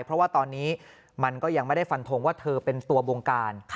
เพราะว่าตอนนี้มันก็ยังไม่ได้ฟันทงว่าเธอเป็นตัวบงการ